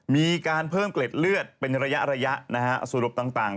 มีการเพิ่มเกล็ดเลือดเป็นระยะนะฮะสรุปต่าง